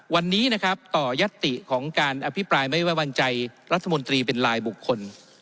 วันนี้นะครับต่อยัตติของการอภิปรายไม่ไว้วางใจรัฐมนตรีเป็นลายบุคคล